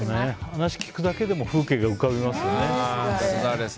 話を聞くだけでも風景が浮かびますね。